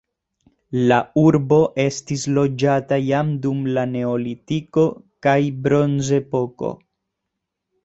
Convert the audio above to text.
La urbo estis loĝata jam dum la neolitiko kaj bronzepoko.